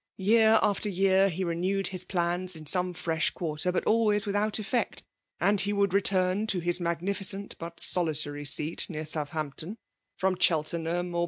Year after year, he renewed his plans in some fresh quarter, but always without effect; and he would return to his magnificent but solitaiy seat near Southampton^ from Cheltenham or.